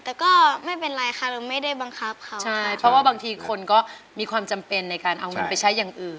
แต่ก็ไม่เป็นไรค่ะเราไม่ได้บังคับเขาใช่เพราะว่าบางทีคนก็มีความจำเป็นในการเอาเงินไปใช้อย่างอื่น